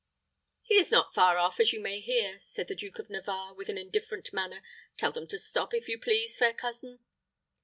"He is not far off, as you may hear," said the King of Navarre, with an indifferent manner. "Tell them to stop, if you please, fair cousin."